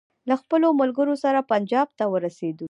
له خپلو ملګرو سره پنجاب ته ورسېدلو.